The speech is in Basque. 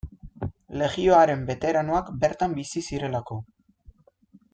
Legioaren beteranoak bertan bizi zirelako.